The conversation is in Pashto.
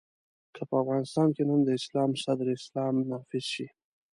که په افغانستان کې نن د اسلام صدر اسلام نافذ شي.